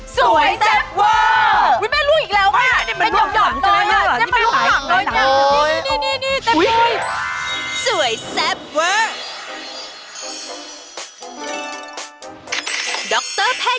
สวยแซ่บเวิร์ด